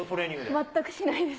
全くしないです。